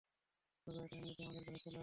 তবে এটা এমনিতেই আমাদের কাছে চলে আসবে।